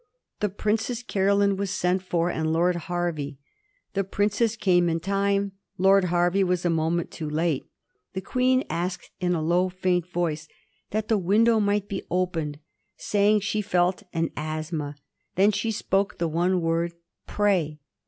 The Princess Caroline was sent for, and Lord Hervey. The princess came in time; Lord Her vey was a moment too late. The Queen asked in a low, faint voice that the window might be opened, saying she felt an asthma. Then she spoke the one word, " Pray."